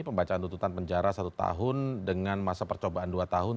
pembacaan tuntutan penjara satu tahun dengan masa percobaan dua tahun